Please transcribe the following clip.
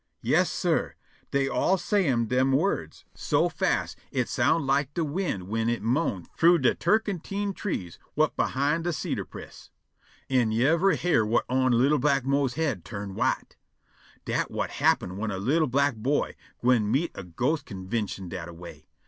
Yas, sah, dey all say dem wo'ds so fas' it soun' like de wind whin it moan frough de turkentine trees whut behind de cider priss. An' yivery hair whut on li'l' black Mose's head turn' white. Dat whut happen' whin a li'l' black boy gwine meet a ghost convintion dat a way.